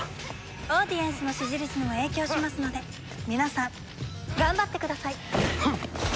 オーディエンスの支持率にも影響しますので皆さん頑張ってください。